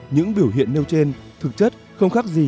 những biểu hiện nêu trên thực chất không khác gì